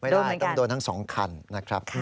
ต้องโดนทั้ง๒คัน